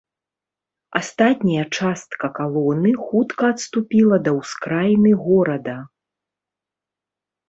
Астатняя частка калоны хутка адступіла да ўскраіны горада.